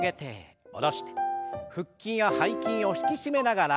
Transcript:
腹筋や背筋を引き締めながら。